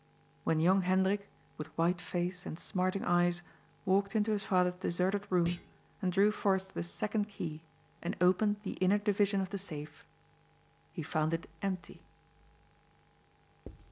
When young Hendrik, with white face and smarting eyes, walked into his father's deserted room, and drew forth the second key and opened the inner division of the safe, he found it empty.